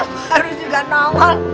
baru juga nongol